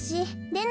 え！